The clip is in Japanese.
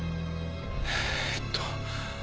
えっと。